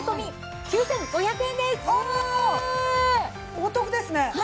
お得ですね。